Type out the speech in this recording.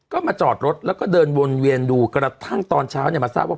ก็มาจอดรถแล้วก็เดินวนเวียนดูกระทั่งตอนเช้าเนี่ยมาทราบว่า